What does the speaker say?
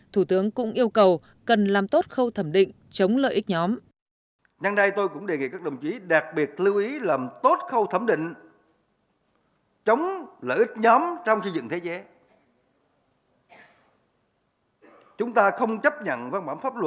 thủ tướng cũng yêu cầu cần làm tốt khâu thẩm định chống lợi ích nhóm